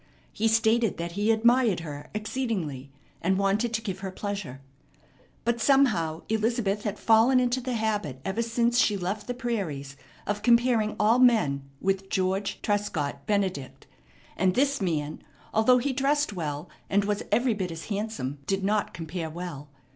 He stated that he admired her exceedingly, and wanted to give her pleasure. But somehow Elizabeth had fallen into the habit ever since she left the prairies of comparing all men with George Trescott Benedict; and this man, although he dressed well, and was every bit as handsome, did not compare well.